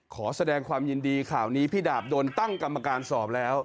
ขอแสดงความยินดีข่าวนี้พี่ดาบโดนตั้งกรรมการสอบแล้ว